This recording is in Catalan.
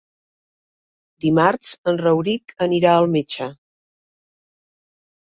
Dimarts en Rauric anirà al metge.